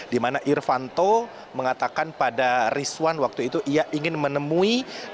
dimana irfanto mengatakan pada rizwan waktu itu ia ingin menemui